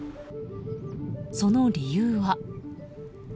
その理由は。